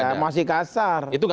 iya masih kasar